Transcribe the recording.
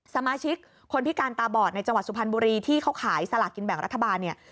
สมาชิกคนพิการตาบอดในจังหวัดสุพรรณบุรีที่เขาขายสลากกินแบ่งรัฐบาลเนี่ย